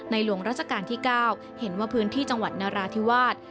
หลวงราชการที่๙เห็นว่าพื้นที่จังหวัดนราธิวาส